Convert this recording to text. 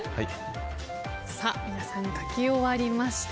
皆さん書き終わりました。